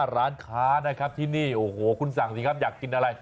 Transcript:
ร้านค้านะครับที่นี่โอ้โหคุณสั่งสิครับอยากกินอะไร